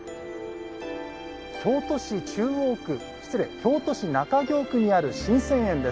京都市中京区にある神泉苑です。